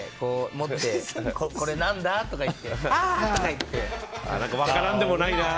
持って、これ何だ？とか言って分からんでもないな。